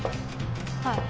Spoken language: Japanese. はい。